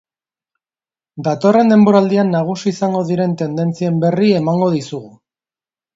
Datorren denboraldian nagusi izango diren tendentzien berri emango dizugu.